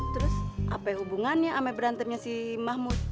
terus apa hubungannya sama berantemnya si mahmud